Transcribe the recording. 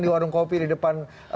di warung kopi di depan